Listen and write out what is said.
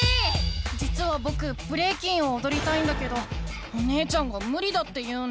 じつはぼくブレイキンをおどりたいんだけどお姉ちゃんがむりだって言うんだ。